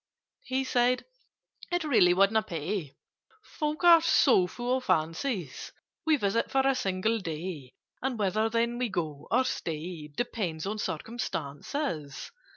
He said "It really wouldn't pay— Folk are so full of fancies. We visit for a single day, And whether then we go, or stay, Depends on circumstances.